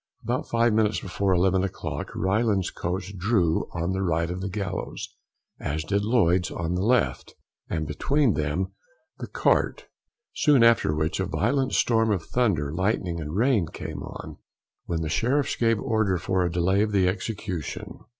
About five minutes before eleven o'clock Ryland's coach drew on the right of the gallows, as did Lloyd's on the left, and between them the cart; soon after which a violent storm of thunder, lightening, and rain came on, when the Sheriffs gave orders for a delay of the execution.